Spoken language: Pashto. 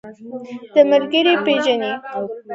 دا ملګری پيژنې؟